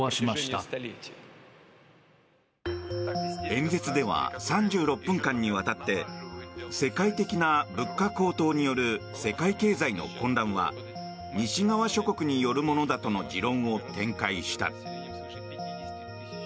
演説では３６分間にわたって世界的な物価高騰による世界経済の混乱は西側諸国によるものだとの持論を展開した。